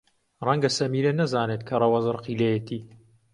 ڕەنگە سەمیرە نەزانێت کە ڕەوەز ڕقی لێیەتی.